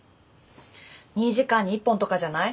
２時間に１本とかじゃない？